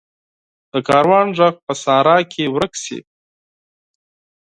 د کاروان ږغ په صحرا کې ورک شي.